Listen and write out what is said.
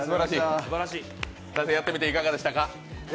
大晴、やってみていかがでしたか？